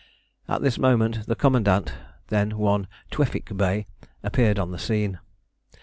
At this moment the commandant, then one Tewfik Bey, appeared on the scene.